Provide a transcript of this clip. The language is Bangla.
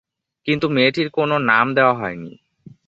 কিন্তু মেয়েটির কোনো নাম দেয়া হয়নি।